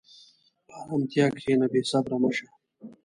په ارامتیا کښېنه، بېصبره مه شه.